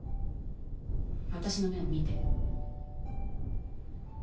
私の目を見て。